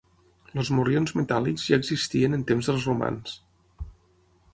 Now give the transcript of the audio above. Els morrions metàl·lics ja existien en temps dels romans.